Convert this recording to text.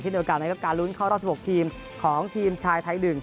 เช่นโอกาสการลุ้นเข้ารอบ๑๖ทีมของทีมชายไทย๑